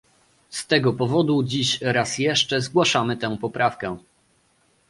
Z tego powodu dziś raz jeszcze zgłaszamy tę poprawkę